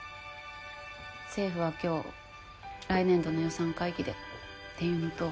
政府は今日来年度の予算会議でって言うのと。